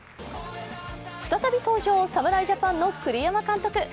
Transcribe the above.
再び登場侍ジャパンの栗山監督。